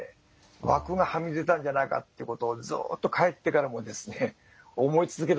枠がはみ出たんじゃないかってことをずっと帰ってからもですね思い続けるわけですよね。